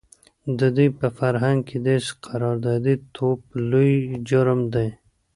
د دوی په فرهنګ کې داسې قراردادي توب لوی جرم دی.